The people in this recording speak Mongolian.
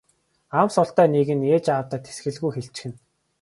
Ам султай нэг нь ээж аавдаа тэсгэлгүй хэлчихнэ.